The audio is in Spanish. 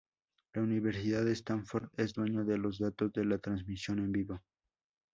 La Universidad de Stanford es dueño de los datos de la transmisión en vivo.